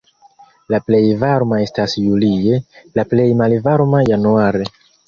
La plej varma estas julie, la plej malvarma januare.